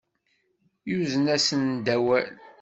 Yuzen-asen-d awal.